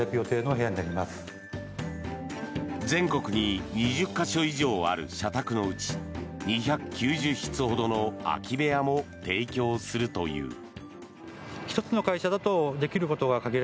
全国に２０か所以上ある社宅のうち２９０室ほどの空き部屋も提供するという。